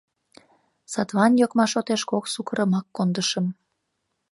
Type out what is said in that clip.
Садлан йокма шотеш кок сукырымак кондышым.